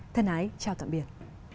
thân ái chào tạm biệt